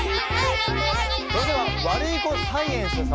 それではワルイコサイエンス様。